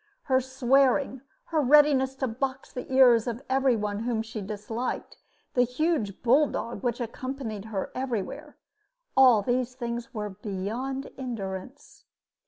Her swearing, her readiness to box the ears of every one whom she disliked, the huge bulldog which accompanied her everywhere all these things were beyond endurance.